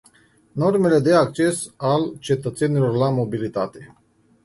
Normele de acces al cetățenilor la mobilitate?